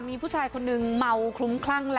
มีผู้ชายคนนึง